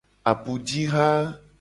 Apujiha.